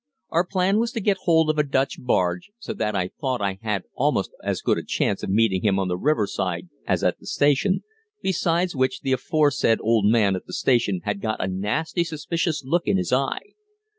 Our plan was to get hold of a Dutch bargee, so that I thought I had almost as good a chance of meeting him on the riverside as at the station, besides which the aforesaid old man at the station had got a nasty suspicious look in his eye.